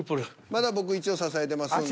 まだ僕支えてますんで。